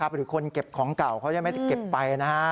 หรือคนเก็บของเก่าเขาจะไม่เก็บไปนะฮะ